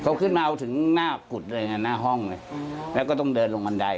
เขาขึ้นมาเอาถึงหน้ากุดเลยนะหน้าห้องเลยแล้วก็ต้องเดินลงบันได